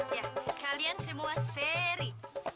ya kalian semua seri